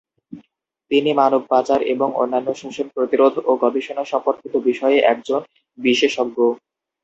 তিনি মানব পাচার এবং অন্যান্য শোষণ প্রতিরোধ ও গবেষণা সম্পর্কিত বিষয়ে একজন বিশেষজ্ঞ।